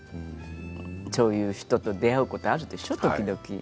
そういう人と出会うことあるでしょう、時々。